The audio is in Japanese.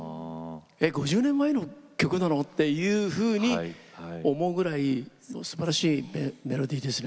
えっ５０年前の曲なの？っていうふうに思うぐらいすばらしいメロディーですね。